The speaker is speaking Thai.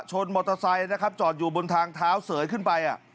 มอเตอร์ไซค์นะครับจอดอยู่บนทางเท้าเสยขึ้นไป